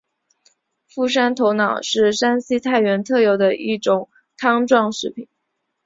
傅山头脑是山西太原特有的一种汤状食品。